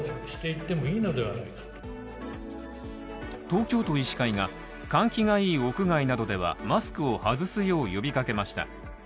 東京都医師会が換気がいい屋外などではマスクを外すよう呼びかけました。